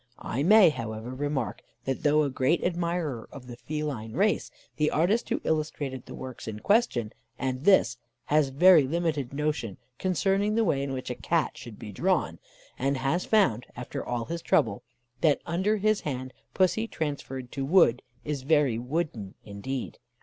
I may, however, remark, that though a great admirer of the feline race, the artist who illustrated the works in question and this, has very limited notions concerning the way in which a Cat should be drawn, and has found, after all his trouble, that under his hand Pussy transferred to wood is very wooden indeed.